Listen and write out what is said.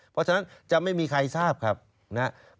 เพราะฉะนั้นจะไม่มีใครทราบครับนะครับ